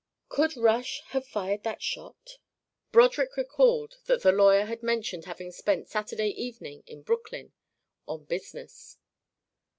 Could Rush have fired that shot? Broderick recalled that the lawyer had mentioned having spent Saturday evening in Brooklyn on business.